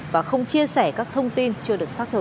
và không chia sẻ các thông tin chưa được xác thực